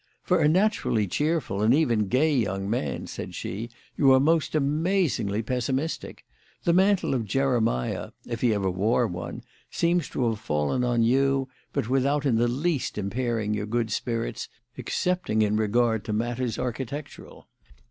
"For a naturally cheerful, and even gay young man," said she, "you are most amazingly pessimistic. The mantle of Jeremiah if he ever wore one seems to have fallen on you, but without in the least impairing your good spirits excepting in regard to matters architectural."